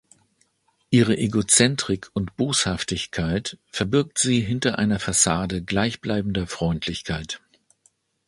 Ihre Egozentrik und Boshaftigkeit verbirgt sie hinter einer Fassade gleichbleibender Freundlichkeit.